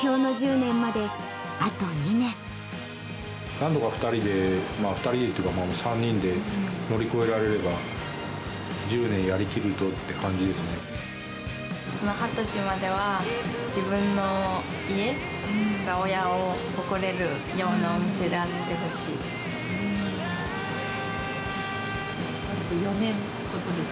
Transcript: なんとか２人で、２人でっていうか、３人で、乗り越えられれば、１０年やりきるぞって感じで２０歳までは、自分の家が親を誇れるようなお店であってほしいです。